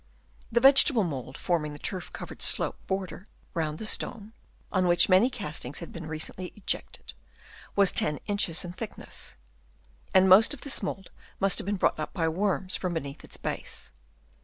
The vegetable mould forming the turf covered sloping border round the stone, on which many castings had re cently been ejected, was 10 inches in thick ness ; and most of this mould must have been brought up by worms from beneath its base.